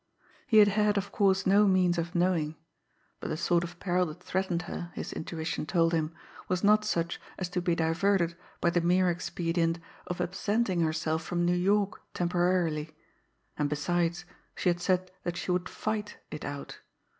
He had had, of course, no means of knowing; but the sort of peril that threatened her, his intuition told him, was not such as to be diverted by the mere expedient of absenting herself from New York temporarily; and, besides, she had said that she would fight it out.